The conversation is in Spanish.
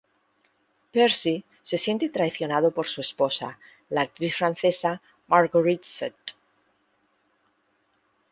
Percy se siente traicionado por su esposa, la actriz francesa Marguerite St.